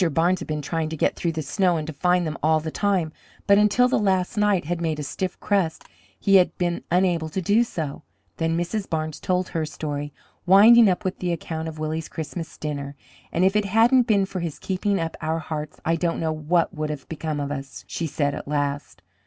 Barnes had been trying to get through the snow and to find them all the time, but until the last night had made a stiff crust he had been unable to do so. Then Mrs. Barnes told her story, winding up with the account of Willie's Christmas dinner. "And if it hadn't been for his keeping up our hearts I don't know what would have become of us," she said at last.